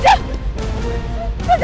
raja bangun raja